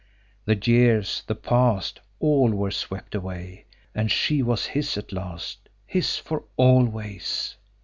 The years, the past, all were swept away and she was his at last his for always.